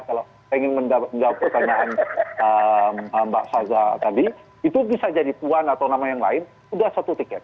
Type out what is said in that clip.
kalau ingin menjawab pertanyaan mbak saza tadi itu bisa jadi puan atau nama yang lain sudah satu tiket